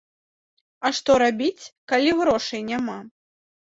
А што рабіць, калі грошай няма?